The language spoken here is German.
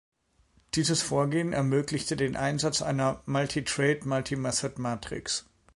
Dieses Vorgehen ermöglichte den Einsatz einer Multitrait-Multimethod-Matrix.